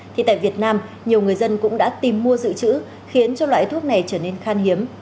thì tại việt nam nhiều người dân cũng đã tìm mua dự trữ khiến cho loại thuốc này trở nên khan hiếm